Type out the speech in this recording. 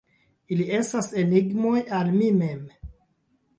Ili estas enigmoj al mi mem.